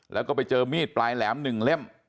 แล้วก็ไปเจอมีดปลายแหลม๑เล่ม